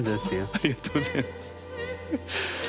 ありがとうございます。